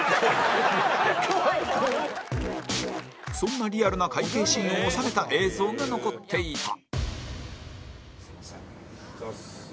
そんなリアルな会計シーンを収めた映像が残っていた